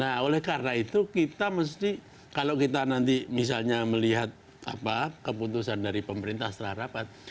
nah oleh karena itu kita mesti kalau kita nanti misalnya melihat keputusan dari pemerintah setelah rapat